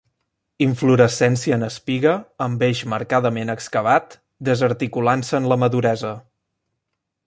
Inflorescència en espiga, amb eix marcadament excavat, desarticulant-se en la maduresa.